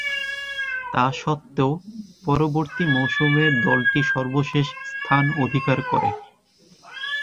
তাসত্ত্বেও, পরবর্তী মৌসুমে দলটি সর্বশেষ স্থান অধিকার করে।